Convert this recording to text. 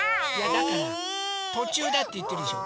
だからとちゅうだっていってるでしょ。